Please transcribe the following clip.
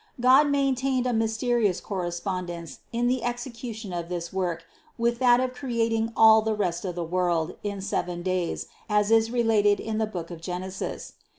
God maintained a mysterious correspondence in the execution of this work with that of creating all the rest of the world in seven days, as is related in the book of Genesis.